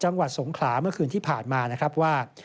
จังหวัดสงขลาเมื่อคืนที่ผ่านมานะครับว่า